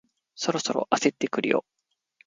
そろそろ焦ってくるよ